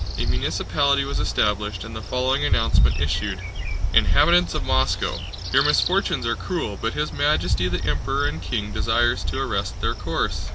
A municipality was established and the following announcement issued: INHABITANTS OF MOSCOW! Your misfortunes are cruel, but His Majesty the Emperor and King desires to arrest their course.